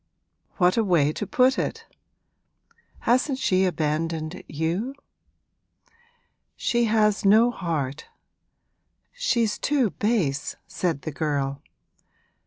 What a way to put it! Hasn't she abandoned you?' 'She has no heart she's too base!' said the girl.